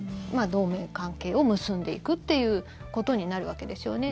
同盟関係を結んでいくということになるわけですよね。